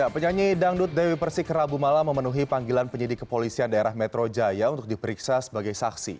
penyanyi dangdut dewi persik rabu malam memenuhi panggilan penyidik kepolisian daerah metro jaya untuk diperiksa sebagai saksi